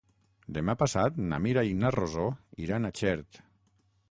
Demà passat na Mira i na Rosó iran a Xert.